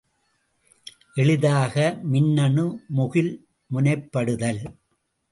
எளிதாக மின்னணு முகில் முனைப்படுதல்.